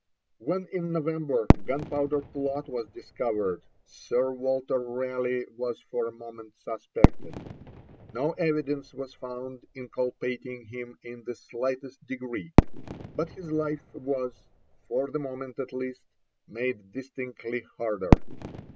When, in November, Gunpowder Plot was discovered, Sir Walter Raleigh was for a moment suspected. No evidence was found inculpating him in the slightest degree; but his life was, for the moment at least, made distinctly harder.